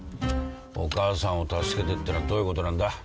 お母さんを助けてってのはどういうことなんだ？